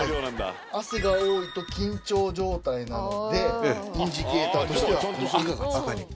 汗が多いと緊張状態なのでインジケーターとしては赤がつく。